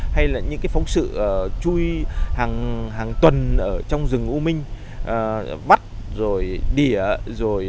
hay là những phóng sự chui hàng tuần trong rừng u minh vắt rồi đỉa rồi côi